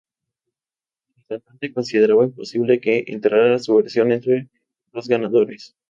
El cantante consideraba imposible que entrara su versión entre los ganadores.